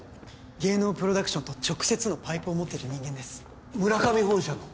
芸能プロダクションと直接のパイプを持ってる人間ですムラカミ本社の？